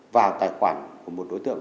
vào tài khoản của một đối tượng